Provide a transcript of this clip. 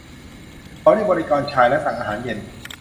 เขาเรียกบริกรชายและสั่งอาหารเย็น